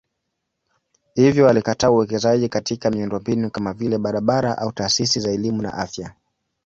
Hivyo alikataa uwekezaji katika miundombinu kama vile barabara au taasisi za elimu na afya.